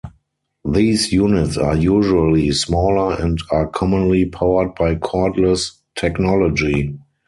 These units are usually smaller and are commonly powered by cordless technology.